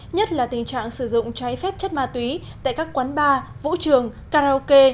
nhất là tình trạng sử dụng trái phép chất ma túy tại các quán bar vũ trường karaoke